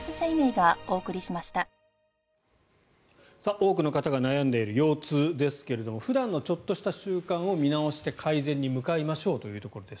多くの方が悩んでいる腰痛ですが普段のちょっとした習慣を見直して改善に向かいましょうというところです。